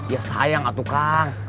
ya sayang ah tukang